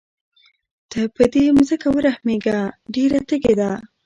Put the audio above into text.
ته په دې ځمکه ورحمېږه ډېره تږې ده.